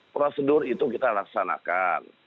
prosedur itu kita laksanakan